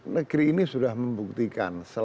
negeri ini sudah membuktikan